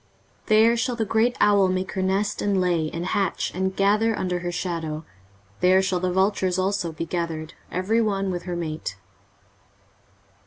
23:034:015 There shall the great owl make her nest, and lay, and hatch, and gather under her shadow: there shall the vultures also be gathered, every one with her mate.